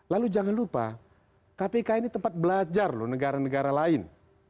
lalu jangan lupa kpk ini tempat belajar loh negara negara lain